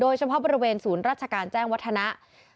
เฉพาะบริเวณศูนย์ราชการแจ้งวัฒนะ